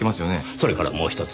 それからもう１つ。